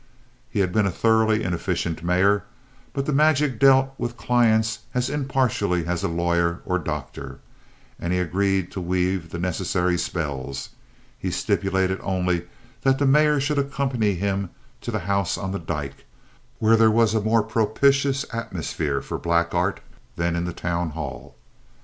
He had been a thoroughly inefficient Mayor, but the magician dealt with clients as impartially as a lawyer or doctor, and he agreed to weave the necessary spells. He stipulated only that the Mayor should accompany him to the house on the dyke, where there was a more propitious atmosphere for black art than in the town hall.